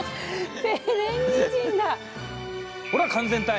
ほら完全体！